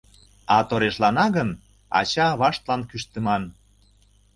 А торешлана гын — ача-аваштлан кӱштыман.